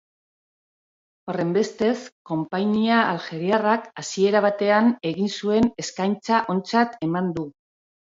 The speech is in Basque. Horrenbestez, konpainia aljeriarrak hasiera batean egin zuen eskaintza ontzat eman du.